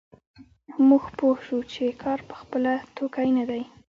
موږ پوه شوو چې کار په خپله توکی نه دی